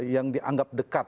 yang dianggap dekat